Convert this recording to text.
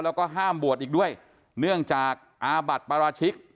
แล้วก็ห้ามบวชอีกด้วยเนื่องจากอาบัติปราชิก